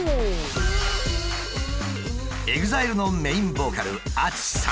ＥＸＩＬＥのメインボーカルＡＴＳＵＳＨＩさん。